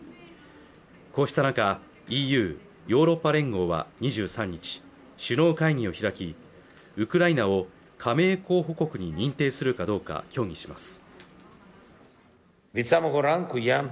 こうした中ＥＵ＝ヨーロッパ連合は２３日首脳会議を開きウクライナを加盟候補国に認定するかどうか協議します